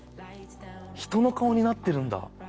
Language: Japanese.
人の顔になってるんだ。